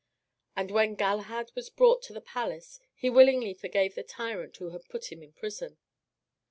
And when Galahad was brought to the palace, he willingly forgave the tyrant who had put him in prison.